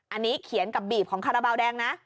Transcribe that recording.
อันนี้เขียนกับบีบของคาราบาลแดงนะ